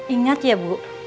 ingat ya bu